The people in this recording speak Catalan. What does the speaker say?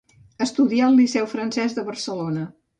Estudià al Liceu francès de Barcelona.